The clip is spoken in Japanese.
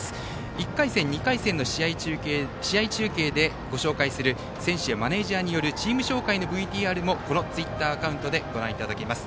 １回戦、２回戦の試合中継でご紹介する選手やマネージャーによるチーム紹介のＶＴＲもこのツイッターアカウントでご覧いただけます。